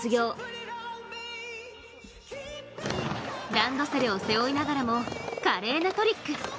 ランドセルを背負いながらも、華麗なトリック。